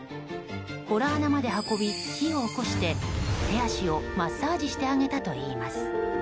ほら穴まで運び、火を起こして手足をマッサージしてあげたといいます。